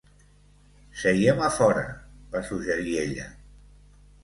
"Seiem a fora", va suggerir ella.